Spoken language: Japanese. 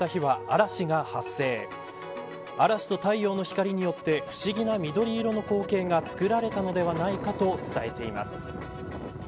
嵐と太陽の光によって不思議な緑色の光景が作られたのではないかと伝えています。